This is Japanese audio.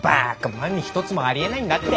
万に一つもありえないんだって！